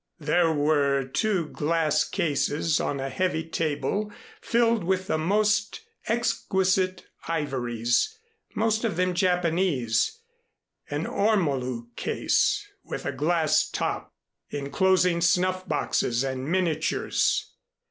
There were two glass cases on a heavy table filled with the most exquisite ivories, most of them Japanese, an Ormolu case with a glass top enclosing snuff boxes and miniatures.